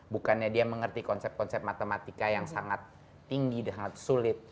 bukannya dia mengerti konsep konsep matematika yang sangat tinggi dan sangat sulit